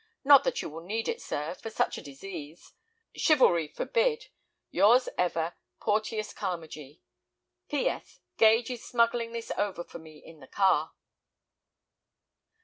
Not that you will need it, sir, for such a disease. Chivalry forbid! Yours ever, "Porteus Carmagee." "P. S.—Gage is smuggling this over for me in the car."